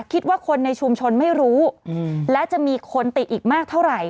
คิดว่าคนในชุมชนไม่รู้และจะมีคนติดอีกมากเท่าไหร่